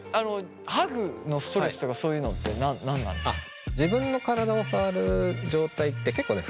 ハグのストレスとかそういうのって何なんですか？